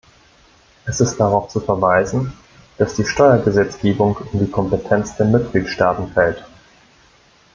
Es ist darauf zu verweisen, dass die Steuergesetzgebung in die Kompetenz der Mitgliedstaaten fällt.